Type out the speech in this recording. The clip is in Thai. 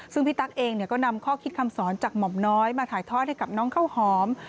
ซึ่งพี่ตั๊กเองก็นำข้อคิดคำสอนจากหม่อมน้อยมาถ่ายทอดให้กับน้องข้าวหอม